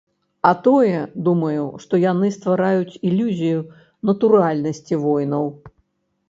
А тое, думаю, што яны ствараюць ілюзію натуральнасці войнаў.